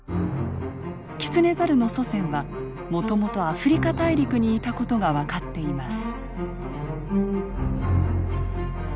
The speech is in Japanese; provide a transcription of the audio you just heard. キツネザルの祖先はもともとアフリカ大陸にいた事が分かっています。